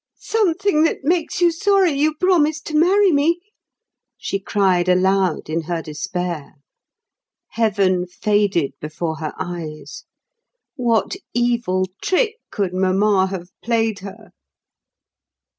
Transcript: "Something that makes you sorry you promised to marry me?" she cried aloud in her despair. Heaven faded before her eyes. What evil trick could Mamma have played her?